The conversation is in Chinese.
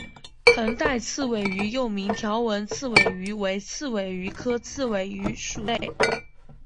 横带刺尾鱼又名条纹刺尾鱼为刺尾鱼科刺尾鱼属的鱼类。